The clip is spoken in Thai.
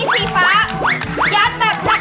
โอ้โฮตอนนี้สีฟ้ายัดแบบหนักหน่วงมาก